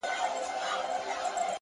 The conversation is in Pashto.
پرمختګ د نن له پرېکړو پیلېږي.